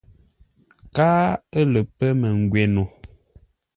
Káa ə̂ lə pə́ məngwě no.